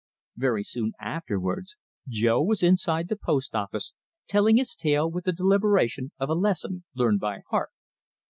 Very soon afterwards Jo was inside the post office, telling his tale with the deliberation of a lesson learned by heart.